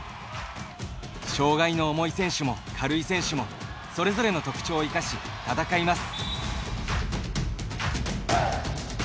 障がいの重い選手も、軽い選手もそれぞれの特徴を生かし戦います。